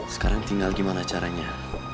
sekarang tinggal gimana caranya